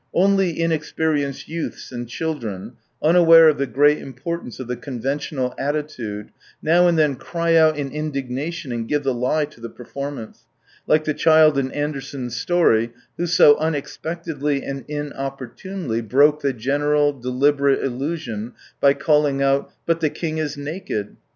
Only inexperi enced youths and children, unaware of the great importance of the conventional atti tide, now and then cry out in indignation and give the lie to the performance : like the chUd in Andersen's story, who so unexpectedly and inopportunely broke the general, deliberate illusion by calling out —" But the king is naked."